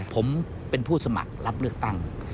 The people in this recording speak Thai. ผมเป็นผู้สมัครรับเลือกตั้ง